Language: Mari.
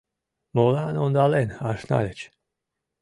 Молан ондален ашнальыч?